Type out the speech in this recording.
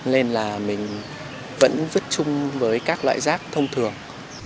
nên là mình vẫn vứt chung với các loại rác thông thường